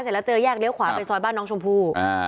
เสร็จแล้วเจอแยกเลี้ยขวาไปซอยบ้านน้องชมพู่